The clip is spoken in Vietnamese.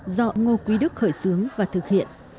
do ngô quý đức khởi xướng và thực hiện